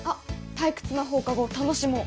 「退屈な放課後を楽しもう！」。